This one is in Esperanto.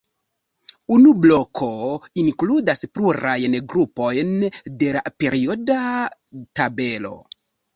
Unu bloko inkludas plurajn grupojn de la perioda tabelo.